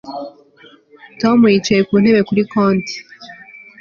Tom yicaye ku ntebe kuri konti